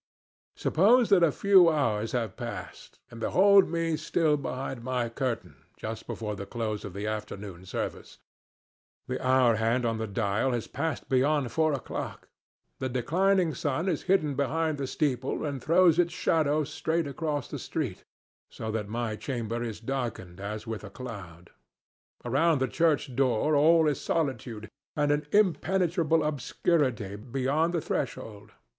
Suppose that a few hours have passed, and behold me still behind my curtain just before the close of the afternoon service. The hour hand on the dial has passed beyond four o'clock. The declining sun is hidden behind the steeple and throws its shadow straight across the street; so that my chamber is darkened as with a cloud. Around the church door all is solitude, and an impenetrable obscurity beyond the threshold.